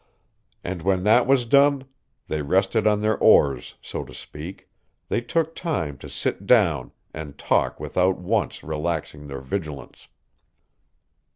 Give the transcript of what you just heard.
And when that was done, they rested on their oars, so to speak; they took time to sit down and talk without once relaxing their vigilance.